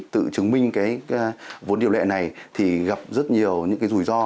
tự chứng minh vốn điều lệ này thì gặp rất nhiều rủi ro